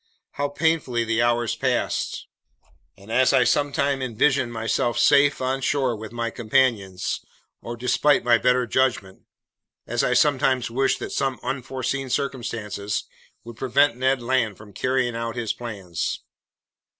How painfully the hours passed, as I sometimes envisioned myself safe on shore with my companions, or, despite my better judgment, as I sometimes wished that some unforeseen circumstances would prevent Ned Land from carrying out his plans.